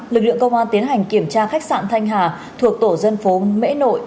lực lượng công an tiến hành kiểm tra khách sạn thanh hà thuộc tổ dân phố mễ nội